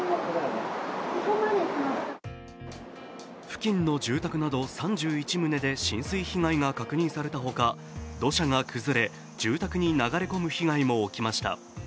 付近の住宅など３１棟で浸水被害が確認された他、土砂が崩れ、住宅に流れ込む被害も起きました。